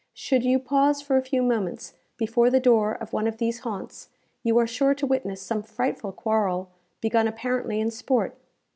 Should you pause for a few moments before the door of one of these haunts, you are sure to witness some frightful quarrel, begun apparently in sport.